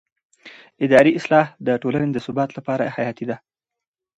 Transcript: اداري اصلاح د ټولنې د ثبات لپاره حیاتي دی